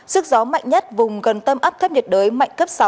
sức gió mạnh nhất vùng gần tâm áp thấp nhiệt đới mạnh cấp sáu